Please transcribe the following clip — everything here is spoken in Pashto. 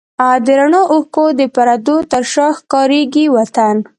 د رڼو اوښکو د پردو تر شا ښکارېږي وطن